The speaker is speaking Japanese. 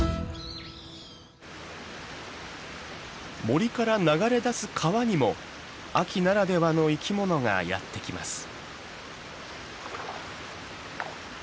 森から流れ出す川にも秋ならではの生きものがやって来ます。